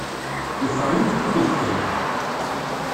Neffeɣ yiwet n tikkelt kan.